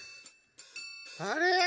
あれ？